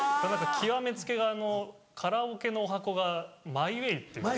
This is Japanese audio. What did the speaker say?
極め付きがカラオケのおはこが『マイ・ウェイ』っていう。